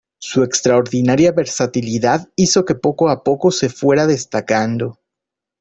Su extraordinaria versatilidad hizo que poco a poco se fuera destacando.